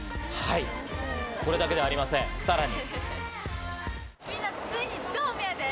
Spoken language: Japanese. これだけではありません、さらに。